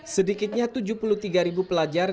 sedikitnya tujuh puluh tiga pelajar